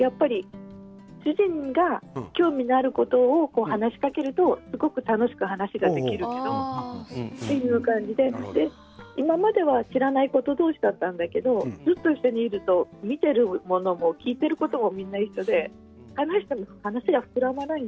主人が興味があることを話しかけると、すごく楽しく話ができるけどという感じで今までは知らないこと同士だったんだけどずっと一緒にいると見ているものも聞いていることもみんな一緒でなるほど。